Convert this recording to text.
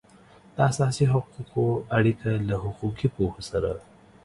د اساسي حقوقو اړیکه له حقوقي پوهو سره